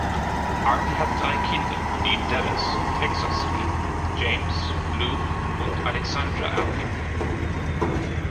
Arpey hat drei Kinder, die in Dallas, Texas, leben: James, Luke und Alexandra Arpey.